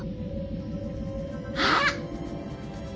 あっ！